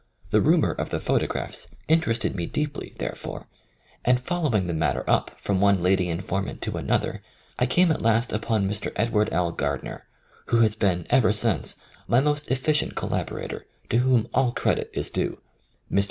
The rumour of the photographs interested me deeply, there fore, and following the matter up from one lady informant to another, I came at last upon Mr. Edward L. Gardner, who has been ever since my most efficient collaborator, to whom all credit is due. Mr.